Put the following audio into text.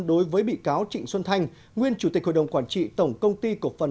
đối với bị cáo trịnh xuân thanh nguyên chủ tịch hội đồng quản trị tổng công ty cổ phần